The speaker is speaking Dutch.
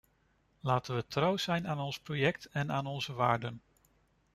Laten we trouw zijn aan ons project en aan onze waarden.